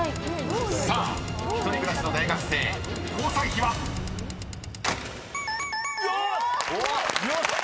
［さあ一人暮らしの大学生交際費は⁉］よーしっ！